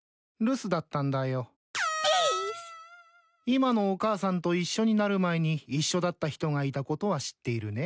今のお母さんと一緒になる前に一緒だった人がいたことは知っているね？